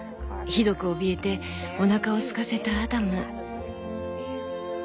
ひどくおびえておなかをすかせたアダム」。